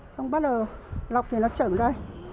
xong bắt đầu lọc thì nó chảy ở đây